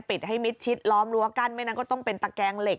ปิดให้มิดชิดล้อมรั้วกั้นไม่งั้นก็ต้องเป็นตะแกงเหล็ก